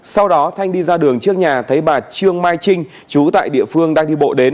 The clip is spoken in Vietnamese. sau đó thanh đi ra đường trước nhà thấy bà trương mai trinh chú tại địa phương đang đi bộ đến